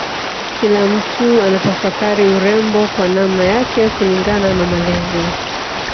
Kila mtu anatafakari urembo kwa namna yake kulingana na malezi